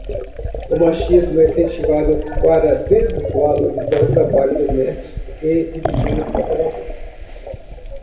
O machismo é incentivado para desvalorizar o trabalho doméstico e dividir os trabalhadores